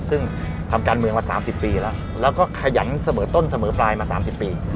ซึ่งทำการเมืองมา๓๐ปีแล้วแล้วก็ขยันเสมอต้นเสมอปลายมา๓๐ปี